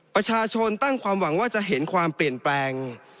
ประชาชนตั้งความหวังว่าจะเห็นความเปลี่ยนแปลง